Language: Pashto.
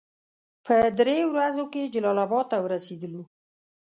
په دریو ورځو کې جلال اباد ته ورسېدلو.